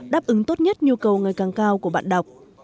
đáp ứng tốt nhất nhu cầu ngày càng cao của bạn đọc